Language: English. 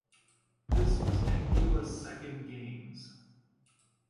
This was Anguilla's second Games.